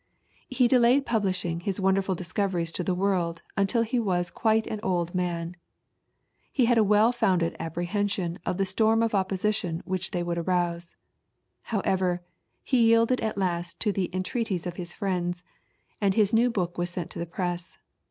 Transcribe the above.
He delayed publishing his wonderful discoveries to the world until he was quite an old man. He had a well founded apprehension of the storm of opposition which they would arouse. However, he yielded at last to the entreaties of his friends, and his book was sent to the press.